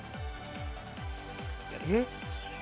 えっ？